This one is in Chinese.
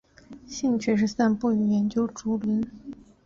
兴趣是散步与研究竹轮。